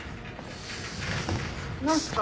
何すか？